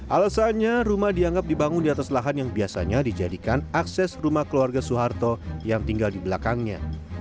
alasannya rumah dianggap dibangun di atas lahan yang biasanya dijadikan akses rumah keluarga soeharto yang tinggal di belakangnya